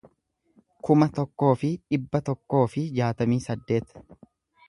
kuma tokkoo fi dhibba tokkoo fi jaatamii saddeet